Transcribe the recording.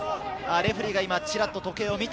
レフェリーが今、チラっと時計を見た。